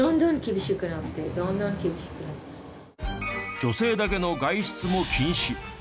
女性だけの外出も禁止。